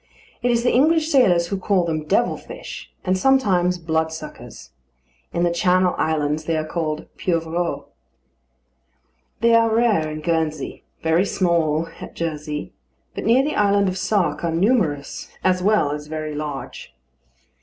It is the English sailors who call them "Devil fish," and sometimes Bloodsuckers. In the Channel Islands they are called pieuvres. They are rare at Guernsey, very small at Jersey; but near the island of Sark are numerous as well as very large.